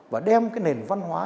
và đem cái nền văn hóa